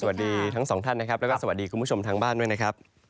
สวัสดีทั้งสองท่านนะครับแล้วก็สวัสดีคุณผู้ชมทางบ้านด้วยนะครับ